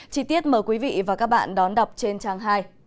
chí tiết mời quý vị và các bạn đón đọc trên trang hai